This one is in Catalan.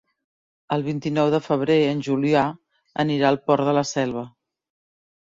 El vint-i-nou de febrer en Julià anirà al Port de la Selva.